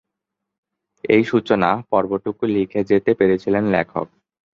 এই সূচনা-পর্বটুকু লিখে যেতে পেরেছিলেন লেখক।